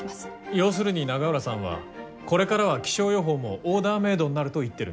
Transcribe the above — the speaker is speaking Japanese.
要するに永浦さんはこれからは気象予報もオーダーメードになると言ってるんでしょ？